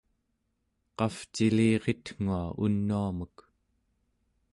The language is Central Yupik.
qavciliritngua unuamek?